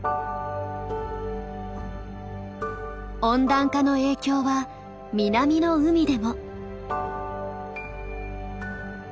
温暖化の影響は南の海でも。